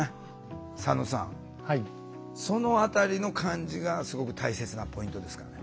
佐野さんその辺りの感じがすごく大切なポイントですかね。